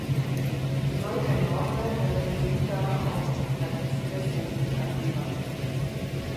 Noile norme reprezintă o îmbunătățire semnificativă.